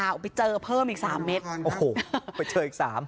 ไปเจอเพิ่มอีกสามเม็ดโอ้โหไปเจออีกสาม